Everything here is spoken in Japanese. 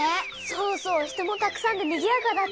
そうそう人もたくさんでにぎやかだった。